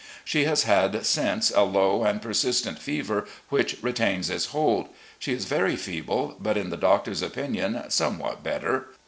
She has had since a low and persistent fever, which retains its hold. She is very feeble, but, in the doctor's opinion, somewhat better.